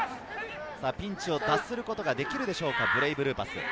ピンチを脱することができるでしょうかブレイブルーパス。